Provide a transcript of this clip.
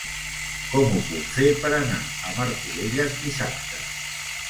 Com ho puc fer per anar a Martorelles dissabte?